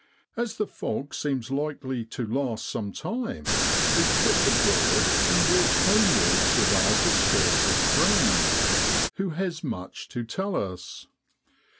As the fog seems likely to last some time, we quit the Broad and walk homewards with our discursive friend, who has much to tell us.